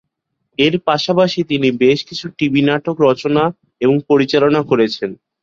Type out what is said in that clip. এর পাশাপাশি তিনি বেশ কিছু টিভি নাটক রচনা এবং পরিচালনা করেছেন।